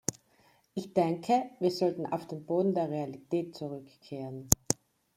Ich denke, wir sollten auf den Boden der Realität zurückkehren.